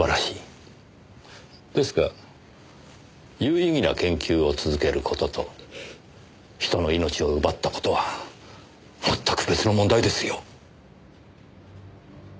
ですが有意義な研究を続ける事と人の命を奪った事はまったく別の問題ですよ。